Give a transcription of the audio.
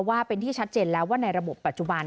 ว่าเป็นที่ชัดเจนแล้วว่าในระบบปัจจุบัน